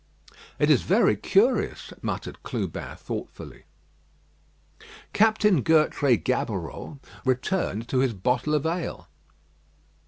"It is very curious," muttered Clubin thoughtfully. Captain Gertrais Gaboureau returned to his bottle of ale.